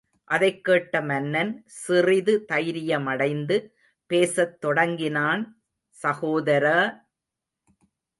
அதைக் கேட்ட மன்னன், சிறிது தைரியமடைந்து பேசத் தொடங்கினான் சகோதர!